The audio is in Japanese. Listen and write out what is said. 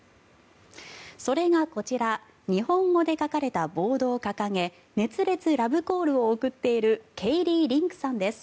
それがこちら日本語で書かれたボードを掲げ熱烈ラブコールを送っているケイリー・リンクさんです。